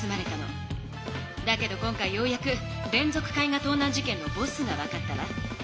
だけど今回ようやく連続絵画盗難事件のボスが分かったわ。